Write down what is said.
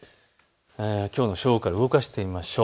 きょうの正午から動かしてみましょう。